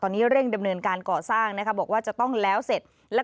ตอนนี้เร่งดำเนินการก่อสร้างนะคะบอกว่าจะต้องแล้วเสร็จและ